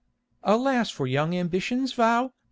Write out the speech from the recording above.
Alas for young ambition's vow!